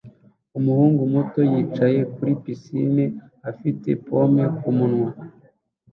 Umuhungu muto yicaye kuri pisine afite pome kumunwa